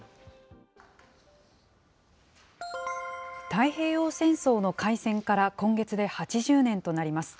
太平洋戦争の開戦から今月で８０年となります。